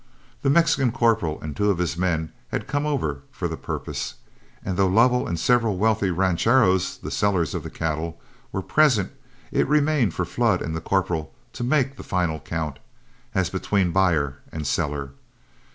The Mexican corporal and two of his men had come over for the purpose, and though Lovell and several wealthy rancheros, the sellers of the cattle, were present, it remained for Flood and the corporal to make the final count, as between buyer and seller.